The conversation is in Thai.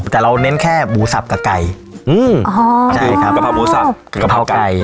แต่เราเน้นแค่หมูสับกับไก่อืมอ๋อใช่ครับกะเพราหมูสับกะเพราไก่